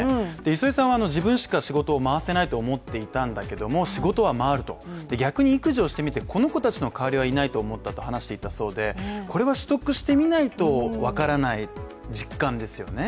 磯江さんは自分しか仕事を回せないと思っていたんだけれども仕事は回る、逆に育児をしてみてこの子たちの代わりはいないなと思ったそうでこれは取得してみないと分からない、実感ですよね。